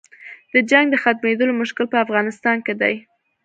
د جنګ د ختمېدلو مشکل په افغانستان کې دی.